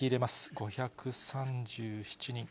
５３７人。